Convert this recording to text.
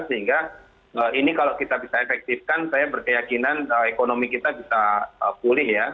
sehingga ini kalau kita bisa efektifkan saya berkeyakinan ekonomi kita bisa pulih ya